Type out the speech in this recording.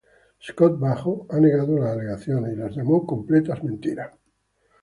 Scott Baio ha negado las alegaciones y las llamó completas mentiras.